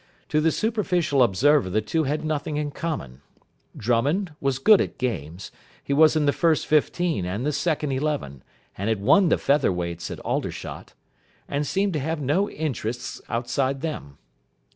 To the superficial observer the two had nothing in common. Drummond was good at games he was in the first fifteen and the second eleven, and had won the Feather Weights at Aldershot and seemed to have no interests outside them.